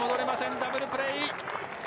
ダブルプレー。